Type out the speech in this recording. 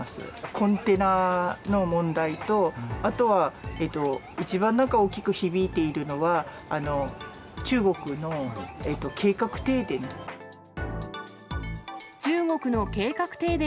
コンテナの問題と、あとは一番大きく響いているのは、中国の計画停電。